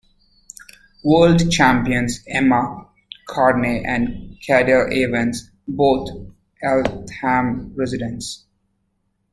World Champions Emma Carney and Cadel Evans both Eltham residents.